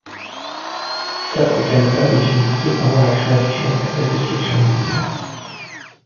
Quatre kalpas définissent cependant la création et la destruction de l'univers.